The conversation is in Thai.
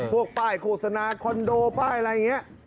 พวกป้ายโฆษณาคอนโดป้ายอะไรอย่างนี้